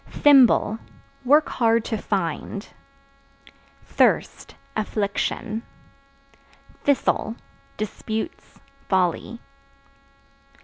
Thimble Work hard to find. Thirst Affliction. Thistle Disputes, folly.